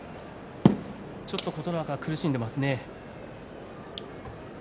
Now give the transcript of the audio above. ちょっと琴ノ若苦しんでいますね。